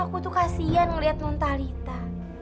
aku tuh kasian ngeliat nontalita